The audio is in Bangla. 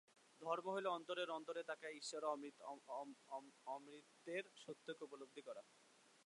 ধর্ম হইল অন্তরের অন্তরে তাকাইয়া ঈশ্বর ও অমৃতত্বের সত্যকে উপলব্ধি করা।